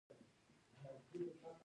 میوې د ویټامینونو سرچینه ده.